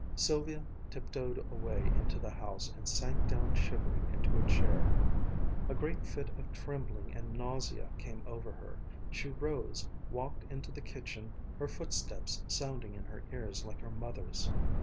Sylvia tiptoed away into the house and sank down shivering into a chair. A great fit of trembling and nausea came over her. She rose, walked into the kitchen, her footsteps sounding in her ears like her mother's.